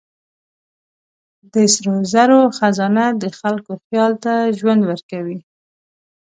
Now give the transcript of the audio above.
د سرو زرو خزانه د خلکو خیال ته ژوند ورکوي.